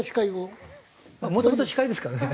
もともと司会ですからね。